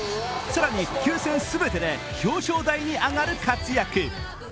更に９戦全てで表彰台に上がる活躍